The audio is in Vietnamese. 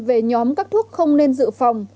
về nhóm các thuốc không nên dự phòng